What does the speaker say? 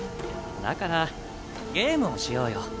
だからゲームをしようよ。